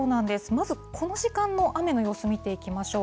まずこの時間の雨の様子見ていきましょう。